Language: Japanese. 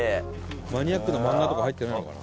マニアックな漫画とか入ってないのかな？